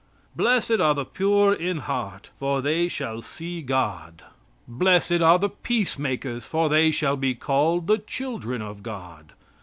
"Blessed are the pure in heart, for they shall see God. Blessed are the peacemakers, for they shall be called the children of God.